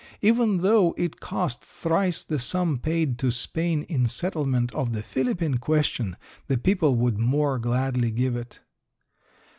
Even though it cost thrice the sum paid to Spain in settlement of the Philippine question, the people would more gladly give it.